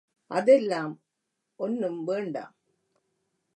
அதெல்லாம் ஒன்னும் வேண்டாம்.